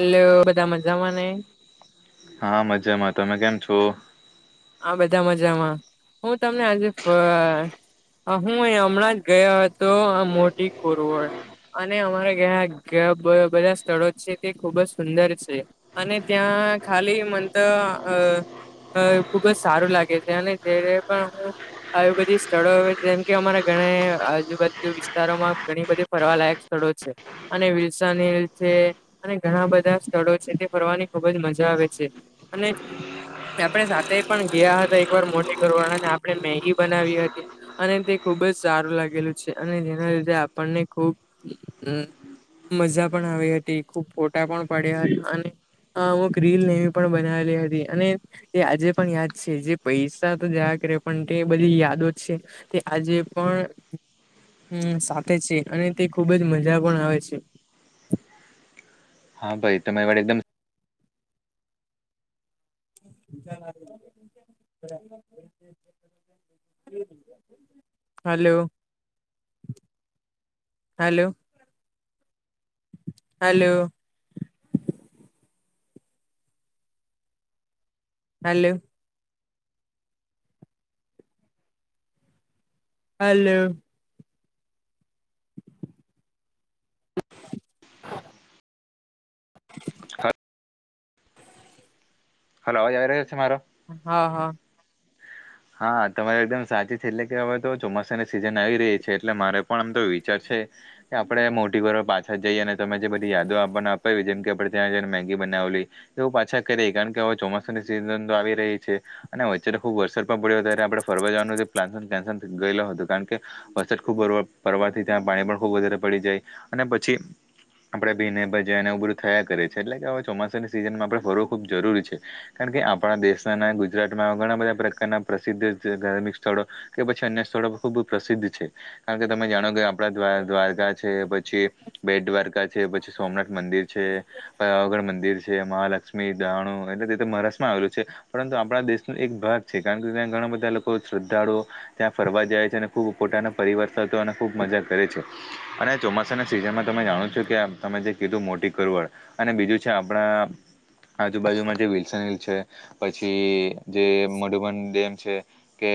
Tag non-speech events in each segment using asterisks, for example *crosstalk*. Hello બધા મજામાંને? હા મજ્જામાં. તમે કેમ છો? આ બધા મજામાં હું તમને આજે હું અહી હમણાં જ ગયા હતો મોટી કુરવડ. અને અમારા ઘ્યાં ઘ બધા સ્થળો છે તે ખુબ જ સુંદર છે. અને ત્યાં ખાલી મંત અ ખુબ જ સારું લાગે છે અને જે પણ હ આવી બધી સ્થળો હ જેમ કે અમારા ઘણા આજુબાજુ વિસ્તારોમાં ઘણી બધી ફરવાલાયક સ્થળો છે. અને વિલ્સન હિલ છે અને ઘણા બધા સ્થળો છે તે ફરવાની ખુબ જ મજા આવે છે. અને આપણે સાથે પણ ગયા હતા એક વાર મોટી કરવાના અને આપણે મેગી બનાવી હતી. અને તે ખુબ જ સારું લાગેલું છે અને જેના લીધે આપણને ખુબ હમ્મ મજા પણ આવી હતી ખૂબ ફોટા પણ પડ્યા અને હ અુક રીલ નેવી પણ બનાવેલી હતી અને એ આજે પણ યાદ છે જે પૈસા તો જયા કરે પણ તે બધી યાદો જ છે તે આજે પણ સાથે છે અને તે ખુબ જ મજા પણ આવે છે. હા ભાઈ તમે વાર એકદમ *inaudible* hello. Hello. Hello. Hello. Hello. *inaudible* *inaudible* તને અવાજ આવી રહીયો છે મારો? હા હા. હા તમારે એકદમ સાચી છે એટલે કે હવે તો ચોમાસાની સિઝન આવી રહી છે એટલે મારે પણ આમ તો વિચાર છે. કે આપણેે મોટી કરવડ પાછા જઈએ અને તમે જે બધી યાદો આપવાને આપ જેમ કે આપડણે ત્યાં જઈને મેગી બનાવલી એવું પાછા કરીહી કારણ કે હવે ચોમાસાની સિઝન તો આવી રહી છે અને અચ્યારે ખુબ વરસાદ પડ્યો ત્યારે આપણે ફરવા જવાનું પપ્લાન પન ગયેલો હતું કારણ કે વરસાદ ખૂબ ફરવાથી ત્યાં પાણી પણ ખૂબ વધારે પડી જાય અને પછી આપણે ભીને ભજા અને એવું બધું થયા કરે છે એટલે કે હવે ચોમાસાની સિઝનમાં આપણે ફરવો ખૂબ જરૂરી છે. કારણ કે આપણા દેશના ગુજરાતમાં ઘણા બધા પ્રકારના પ્રસિદ્ધ ધાર્મિક સ્થળો કે પછી અન્ય સ્થળો ખુબ પ્રસિદ્ધ છે કારણ કે તમે જાણો કે આપણા દ્વા દ્વારકા છે, પછી બેટ દ્વારકા છે, પછી સોમનાથ મંદિર છે પયાવગઢ મંદિર છે, મહાલક્ષ્મી મી દાણું એટલે તે તો મહારાષ્ટ્ર માં આવેલ છે પરંતુ આપણા દેશ નનું એક ભાગ છે. ગ ઘણા બધા લોકો શ્રદ્ધાળુ ત્યાં ફરવા જાય છે અને ખુબ પોતાના પરિવર્ત અને ખૂબ મજા કરે છે. અને ચોમાસાના સિઝનમાં તમે જાણો છો કે તમે જે કીધું મોટી કરવડ અને બીજું છે આપણા આજુબાજુમાં જે વિલ્સન હિલ છે પછી જે મઢુબન ડેમ છે કે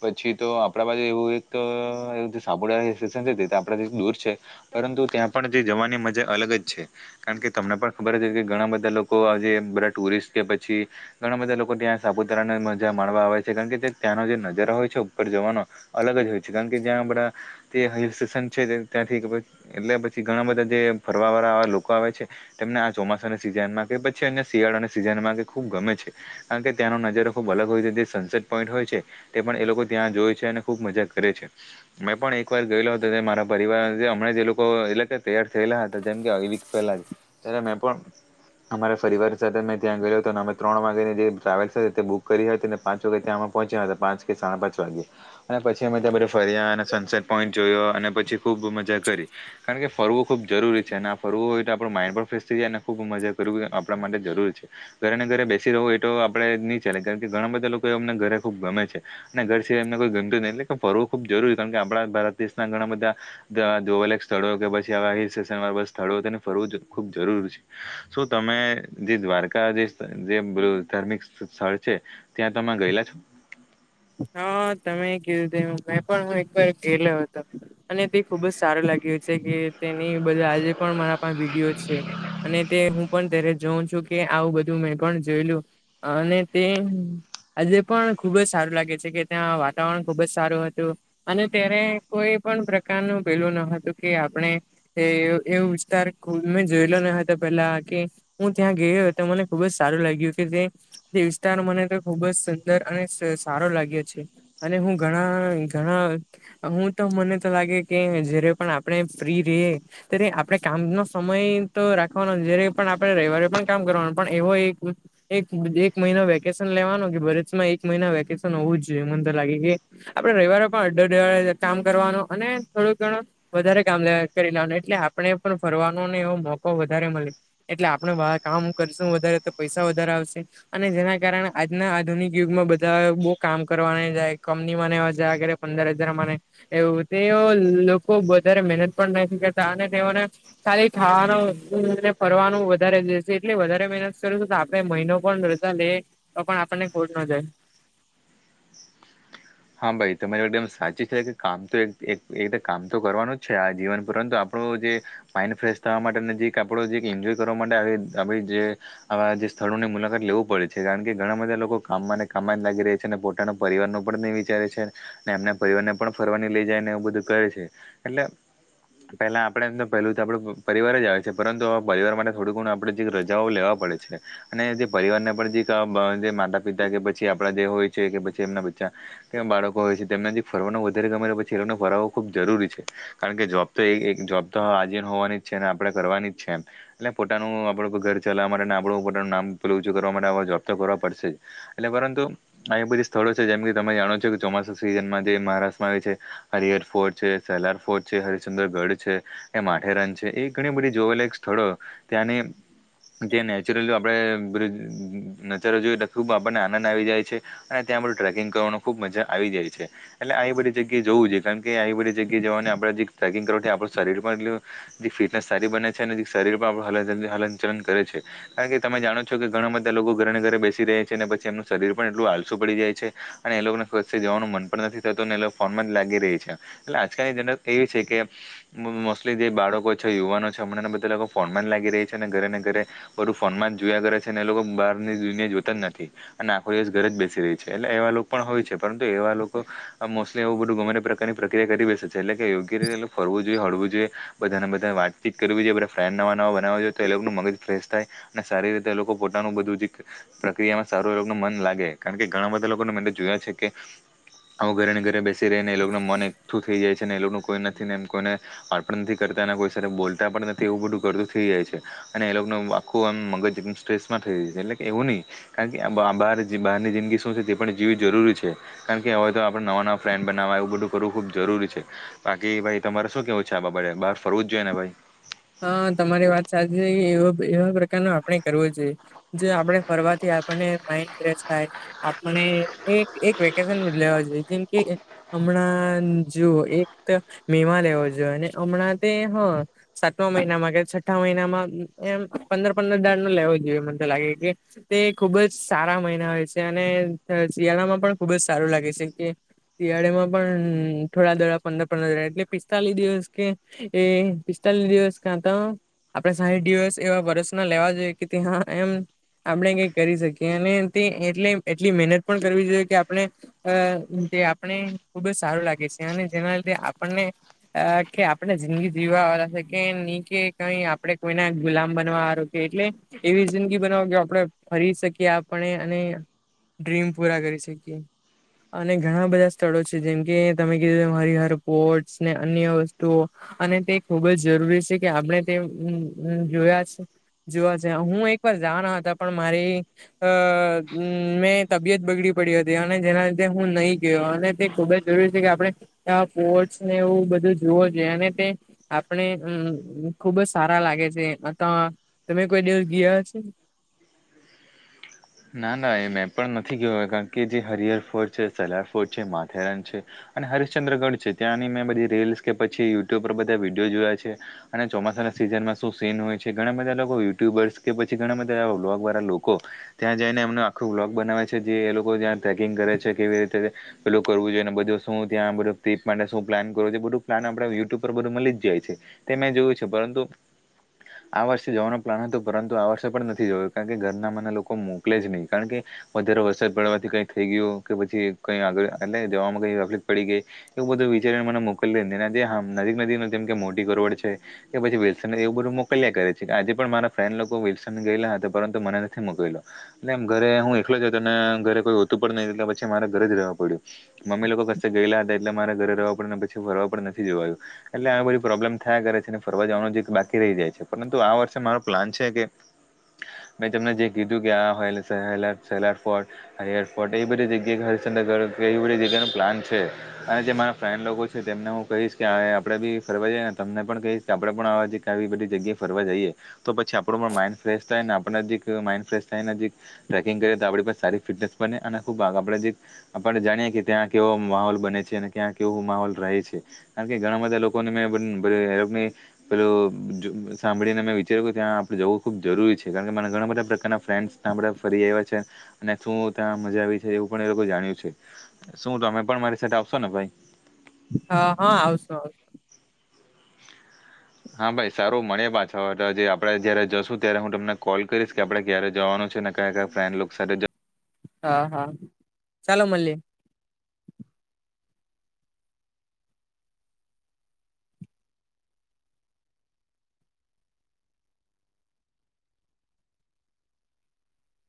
પછી તો આપડા પાસે એવું એક તો સાપુળ સેશન છે તે આપડા થી દૂર છે. પરંતુ ત્યાં પણ જે જવાની મજા અલગ જ છે. કારણ કે તમને પણ ખબર જ કે ઘણા બધા લોકો આજે બધા ટુરિસ્ટ છેયા પછી ઘણા બધા લોકો ત્યાં સાપુતારાને મજા માણવા આવે છે કારણ કે ત્યાંનો જે નજારો હોય છે ઉપર જવાનો અલગ જ હોય છે કારણ કે જ્યાં આપણા તે હિલ સ્ટેશન છે ત્યાંથી એટલે પછી ઘણા બધા જે ફરવા વાળા લોકો આવે છે તેમને આ ચોમાસાની સિઝનમાં કે પછી અને શિયાળાના સિઝનમાં કે ખુબ ગમે છે કારણ કે ત્યાંનો નજર ખુબ અલગ હોય છે જે સનસેટ પોઈન્ટ હોય છે તે પણ એ લોકો ત્યાં જોય છે અને ખૂબ મજા કરે છે મેં પણ એક વાર ગયેલો હતો મારા પરિવાર હમણાં જે એ લોકો એટલે કે તૈયાર થયેલા હતા જેમ કેક પહેલા ત્યારે મેં પણ અમારા પરીફવાર સાથે મે ત્યાં ગયો હતો અમે ત્રણ વાગેની જે ટ્રાવેલ્ બુક કરી હતી ને પાંચ વાગે ત્યાંમાં પહોંચ્યા હતા પાંચ કે સાડા પાંચ વાગે અને પછી અમે ત્યાં ફર્યા અને સનસેટ પોઈન્ટ જોયો અને પછી ખૂબ મજા કરી કારણ કે ફરવું ખૂબ જરૂરી છે અને આ ફરવું હોય તો આપણું માઇન્ડ પણ ફ્રેશ થઈ જાય અને ખૂબ મજા કરવી આપણા માટે જરૂરી છે ઘરે ને ઘરે બેસી રહેવુ એ તો આપડે નહી ચાલે કારણ કે ઘણા બધા લોકો અમને ઘરે ખૂબ ગમે છે અને ઘર સિવાયમને કોઈ ગમતું જ ન ફરવું ખુબ જરૂરી કારણ કે આપણા ભારત દેશના ઘણા બધા જો અક સ્થળો કે પછી આવા હિલ સ્ટેશન સ્થળો તેને ફરવું ખુબ જરૂર છે શું તમે જે દ્વારકા જે ધાર્મિક સ્થળ છે ત્યાં તમે ગયેલા છો હા તમે કીધું તે એ મેં પણ હા એક વાર ગેલો હતો અને તે ખુબ જ સારું લાગ્યું છે કે તેની બધા આજે પણ મારા પણ વિડીયો છે અને તે હું પણ ત્યારે જોઉં છું કે આવું બધું મેં પણ જોયલું અને તે આજે પણ ખુબ જ સારું લાગે છે કે ત્યાં વાતાવરણ ખુબ જ સારું હતું અને ત્યારે કોઈ પણ પ્રકારનું પેલું ન હતું કે આપણે એ એવું વિસ્તાર મેં જોયલો ન હતો પેલા કે હું ત્યાં ગયો હતો મને ખુબ જ સારું લાગ્યું કે તે જે વિસ્તાર મને ત ખુબ જ સુંદર અને સ્વસ્થ સારો લાગ્યો છે અને હું ઘણાં ઘણાં હું તો મને તો લાગે કે જ્યારે પણ આપણે ફ્રી રેયે ત્યારે આપણે કામનો સમય તો રાખવાનો જ્યારે પણ આપણે રવિવારે પણ કામ કરવાનું પણ એવો એક એક એક મહિના વેકેશન લેવાનો કે ભરુચમાં એક મહિના વેકેશન હોવું જ જોઈએ મને તો લાગે કે આપડે રવિવારે પણ અડધો અઢ કામ કરવાનું અને થોડુંક ઘણું વધારે કામ કરી લેવાનું એટલે આપણે પણ ફરવાનો ને એવો મોકો વધારે મળે એટલે આપણે આ કામ કરશું વધારે તો પૈસા વધારે આવશે. અને જેના કારણે આજના આધુનિક યુગમાં બધા બો. કામ કરવા ની જાય કંમનીમાં ને જાયા કરે પંદર હજાર મને. એવું તેઓ લોકો વધારે મહેનત પણ નથી કરતા અને તેઓને. ખાલી ખાવાનું ને ફરવાનું વધારે રહેશે એટલે વધારે મહેનત કરુંશું તો આપડે મહિનો પણ. લે તો પણ આપણને ખોટ ન જાય. હા ભાઈ તમારે એકદમ સાચી છે કે કામ તો એ એક ત કામ તો કરવાનું જ છે આ જીવન પર પરંતુ આપણું જે. માઇન્ડ ફ્રેશ થવા માટે ને જે આપડો જે એન્જોય કરવા માટે આપણે જે. આવા જે સ્થળો ની મુલાકાત લેવું પડે છે કારણ કે ઘણા બધા લોકો કામમાંને કામ જ લાગી રેય. તેને પોતાનો પરિવારનો પણ ને એવી. ત્યારે છે ને એમના પરિવાર ને પણ ફરવા ની લઈ જાયને એવું બધું કરે છે એટલે. પેલા આપણે તો પેલું તો આપડું પરિવાર જ આવે છે પરંતુ અવે પરિવાર માટે થોડું ઘણું આપણે જે રજાઓ લેવા. પડે છે. અને જે પરિવારને પણ જે માતા પિતા કે પછી આપડા જે હોય છે કે પછી એમના બચાં. તેમ બાળકો હોય છે તેમનાથી ફરવાનું વધારે ગમે તો પછી એ લોકોને ફરવવો ખૂબ જરૂરી છે. કારણ કે જોબ તો જોબ તો આજે હોવાની જ છે અને આપણે કરવાની જ છે એમ. એટલે પોતાનું આપડે ઘર ચાલવા માટે આપડું પોતાનું નામ પેલુ ઊંચું કરવા માટે જોબ તો કરવા પડશે જ. એટલે પરંતુ આવી બધી સ્થળો છે જેમ કે તમે જાણો જ. જેવું ચોમાસા સિઝનમાં જે મહારાષ્ટ્રમાં આવે છે હરિહર ફોર્ટ છે, સહેલાર ફોર્ટ છે, હરિશચંદ્રગઢ છે. એ માથેરન છે એ ઘણી બધી જોયલાક સ્થળો ત્યાંની. ત્યાં નેચરલી આપણે બધું નજારો જોઈએ તો ખૂબ આપણને આનંદ આવી જાય છે. અને ત્યાં બધું ટ્રેકિંગ કરવાનું. ખુબ મજા આવી જાય છે એટલે આવી બધી જગ્યાએ જવું જોઈ કારણ કે આવી બધી જગ્યાએ જવાને આપણને જીરીક. ટ્રેકિંગ કરવાથી આપણું શરીર પણ એટલું. થી ફિટનેસ સારી બને છે અને જીરિક શરીર પણ આપણું હલ હલનચલન કરે છે. કારણ કે તમે જાણો છો કે ઘણા બધા લોકો ઘરે ને ઘરે બેસી રહે છે અને ને પછી એમનું શરીર પણ એટલું આળસું પડી જાય છે. અને એ લોકોને પછી જવાનું મન પણ નથી થતું ને એ લોકો ફોનમાં જ લાગી રહે છે. આજકાલ જનોક એવી છે કે એમ. મો મોસ્ટલી જે બાળકો છે યુવાનો છે હમણાંના બધા લોકો ફોનમાં લાગી રહી છે અને ઘરે ને ઘરે. બધું ફોનમાં જ જોયા કરે છે ને એ લોકો બહારની દુનિયા જોતા જ નથી. અને આખો દિવસ ઘરે જ બેસી રહે છે એટલે એવા લોકો. પણ હોય છે પરંતુ એવા લોકો મોસ્ટલી એવું બધું ગમે તે પ્રકારની પ્રક્રિયા કરી બેસે છે એટલે કે યોગ્ય રીતે. ફરવું જોઈએ હળવું જોઈએ બધા ને બધા વાચીત કરવી જોઈએ બધા ફ્રેન્ડ નવા નવા બનાવા જોઇએ તો એનું મગજ ફ્રેશ થાય. અને સારી રીતે લોકો પોતાનું બધું જે પ્રક્રિયામાં સારું એ લોકોનું મન લાગે કારણ કે ઘણા બધા લોકોને મન જોયા છે કે આવું ઘરે ને ઘરે બેસી રહીને એ લોકોના મનને. થઈ જાય છે ને એ લોકોનું કોઈ નથી ને એમ કોઈને. અર્ પણણ નથી કરતા એના કોઈ બોલતા પણ નથી એવું બધું કરતું થઇ જાય છે *unintelligible* અને એ લોકોનું આખું આમ મગજ એ સ્ટ્રેસમાં થઈ એટલે કે એવું નહી. કારણ કે આમ બહાર બહારની જિંદગી શું છે તે પણ. જેવી જરૂરી છે કારણ કે હવે તો આપણે નવા નવા ફ્રેન્ડ બનાવવા એવું બધું કરવું ખૂબ જરૂરી છે. બાકી ભાઈ તમારે શું કેવું છે આ બબરે બાર ફરવું જ જોઈએ ને ભાઈ હા તમારી વાત સાચી છે એ એવા પ્રકાર ન આપણે કરવો જોઈએ જે આપડણે ફરવાથી આપણને માઈન્ડ ફ્રેશ થાય. આપણે એક એક વેકેશન છે જેમ કે હમણાં જુઓ એક મેમા લેવો જોઈએ અને હમણાં તે હ સાતમા મહિનામાં કે છઠ્ઠા મહિનામાં એમ પંદર પંદર દાર નો લેવો જોઈએ મને તો લાગે કે તે ખુબ જ સારા મહિના હોય છે અને શિયાળામાં પણ ખુબ જ સારું લાગે છે કે શિયાળેમાં પણ થોડા દડા પંદર પંદર એટલે પિસ્તાલીસ દિવસ કે એ. દિવસ કાતા આપણે સાહીઠ દિવસ એવા વરોસના લેવા જોઈએ કે હ એમ. આપણે કઈ કરી શકીએ અને તે એટ એટલી મહેનત પણ કરવી જોઈએ કે આપણે. અ જે આપણે ખુબ જ સારું લાગે છે અને જેના લીધે આપણને અ કે આપડણે જિંદગી જીવા વાળ કે નહી કે કઈ આપડે કોઈના ગુલામ બનવા આરો કે એટલે એવી જિંદગી બનાવો કે આપડણે ફરી શકીએ આપણે અને ડ્રીમ પૂરા કરી શકીએ અને ઘણા બધા સ્થળો છે જેમકે તમે કીધું હર હર પોટ ને અન્ય વસ્તુઓ અને તે ખુબ જ જરૂરી છે કે આપણે તે જોયા છે. જોવા જ હું એક વાર જાવાના હતા પણ મારી અ મેં તબિયત બગડી પડી હતી અને જેના લીધે હું નહી ગયો અને તે ખુબ જ. જરૂરી છે કે આપણે સ્ટ ને એવું બધું જોવું જોઈએ અને તે આપણે હમ ખુબ જ સારા લાગે છે તમે કોઈ દિવસ ગયા હ છે. ના ના એ મેં પણ નથી કે કારણ કે જે હરિહર ફોર્ટ છે સલાાર ફોર્ટ છે માથેરાન છે. અને હરિશ્ચંદ્રગઢ છે ત્યાંની મેં બધી રીલ્સ કે પછી યુટ્યુબ પર બધા વિડીયો જોયા છે. અને ચોમાસાના સીઝનમાં શું સીન હોય છે, ઘણા બધા લોકો યુટ્યુબર્સ કે પછી ઘણા બધાવા વ્લોગ વાળા લોકો ત્યાં જઈને એમનું આખું વ્લોગ બનાવે છે જે એ લોકો જ્યાં ટ્રેકિંગ કરે છે કેવી રીતે પેલું કરવું જોઈએ અને બધું શું ત્યાંધ ટ માટે શું પ્લાન કરવું જો બધું પ્લાન આપ યુટ્યુબ પર બધું મળી જાય છે. તે મેં જોયું છુ, પરંતુ આ વર્ષે જવાનો પ્લાન હતો પરંતુ આ વર્ષે પણ નથી જોયયો કારણ કે ઘરના મને લોકો મોકલે જ નહીં કારણ કે વધારે વરસાદ પડવાથી કઈ થઈ ગયું કે પછી કઈ આગળ એટ જવામાં કઈ તકલીફ પડી ગઈ. એવું બધું વિચારીને મને મોકલી દઈ નજીક નજીક જેમ કે મોટી ગોવડ છે. કે પછી વિલ્સનને એવું બધું મોકલ્યા કરે છે કે આજે પણ મારા ફ્રેન્ડ લોકો વિલ્સન ગયેલા હતા પરંતુ મને નથી મોકલલો એટલે એમ ઘરે હું એકલો જ હતો હતોને ઘરે કોઈ હોતું પડ નહી એટલે પછી મારે ઘરે જ રહેવા પડ્યું. મમ્મી લોકો કસ્ ગયેલા હતા એટલે મારે ઘરે રવા પડે ને પછી ફરવા પણ નથી જોવાયું એટલે આ બધી પ્રોબ્લેમ થયા કરે છે અને ફરવા જવાનું જે બાકી રહી જાય છે પરંતુ આ વર્ષે મારો પ્લાન છે કે *inaudible* મેં તમને જે કીધું ગયા. એરપોર્ટ એ બધી જગ્યા હરચંદ્રગ એ બધી જગ્યા ન પ્લાન છે. અને જે મારા ફ્રેન્ડ લોકો છે તેમને હું કહીશ કે આ આપડે બી ફરવા જઈએ ને તમને પણ કહીશ આપડે પણવા કે આવી બધી જગ્યા ફ કરવા જઈએ તો પછી આપ માઇન્ડ ફેશ થાય ને આપ માડ ફ કિંગ કરી તો આપ સારી ફિટનેસ બને અને ખબ આ આપે. આપડ જાણીએ કે ત્યાં કેવો માહોલ બને છે અને ક્યાં કેવો માહોલ રહે છે. કારણ કે ઘણા બધા લોકોને મે પેલો સાંભળીને મેં વિચાર્યું કે ત્યાં આપડે જવું ખુબ જરૂરી છે કારણ કે મને ઘણા બધા પ્રકારના ફ્રેન્ડસ તં આપડે ફરી આવ્યા છે અને શું ત્યાં મજા આવી છે એવું પણ એ લોકો જાણ્યું છે. શું ત તમે પણ મારી સાથે આવશો ને ભાઈ. હ હા આવ શું. હા, ભાઈ સારું મળે પાછા જે આપડે જયારે જશું ત્યારે હું તમને કોલ કરીશ કે આપડે ક્યારે જવાનું છેને, ક્યા ક ફન સ હા હા ચાલો મલ્લી